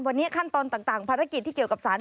วันนี้ขั้นตอนต่างภารกิจที่เกี่ยวกับสาร